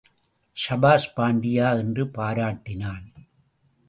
சபாஷ் பாண்டியா என்று பாராட்டினான்.